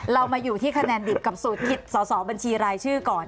เรามาอยู่ที่คะแนนดิบกับสูตรสอสอบัญชีรายชื่อก่อน